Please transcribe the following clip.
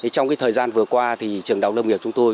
trong thời gian vừa qua trường đào tạo lâm nghiệp chúng tôi